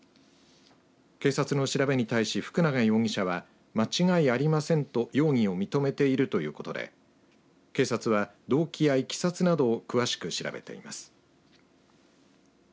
警察の調べに対し福永容疑者は間違いありませんと容疑を認めているということで警察は、動機やいきさつなどを詳しく調べています。